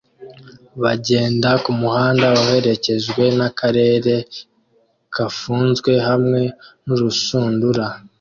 bagenda kumuhanda uherekejwe n'akarere kafunzwe hamwe nurushundura